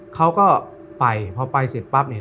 เขาก็ไปพอไปเสร็จปั๊บเนี่ย